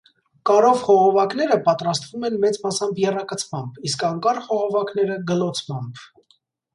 Կարով խողովակները պատրաստվում են մեծ մասամբ եռակցմամբ, իսկ անկար խողովակները՝ գլոցմամբ։